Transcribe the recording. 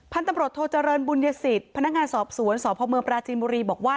พันธนปรดโทจรณบุญญสิทธิ์พนักงานสอบสวนสอบภพเมืองปราชินบุรีบอกว่า